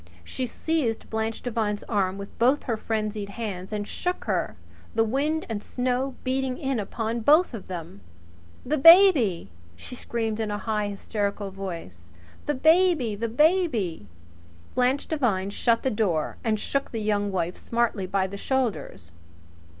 She seized Blanche Devine's arm with both her frenzied hands and shook her, the wind and snow beating in upon both of them. "The baby!" she screamed in a high, hysterical voice. "The baby! The baby " Blanche Devine shut the door and shook the Young Wife smartly by the shoulders.